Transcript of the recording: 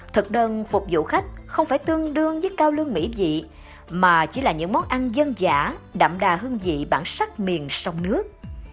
thực đơn phục vụ khách không phải tương đương với cao lương mỹ dị mà chỉ là những món ăn dân giả đậm đà hương vị bản sắc miền sông nước